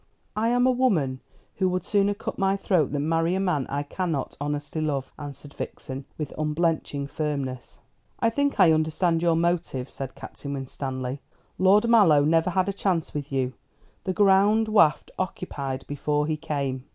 "I am a woman who would sooner cut my throat than marry a man I cannot honestly love," answered Vixen, with unblenching firmness. "I think I understand your motive," said Captain Winstanley. "Lord Mallow never had a chance with you. The ground was occupied before he came.